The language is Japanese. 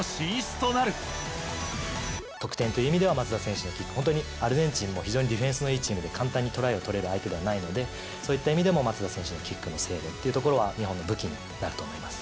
手のキック、本当にアルゼンチンも非常にディフェンスのいいチームで、簡単にトライを取れる相手ではないので、そういった意味でも松田選手のキックの精度というところは日本の武器になると思います。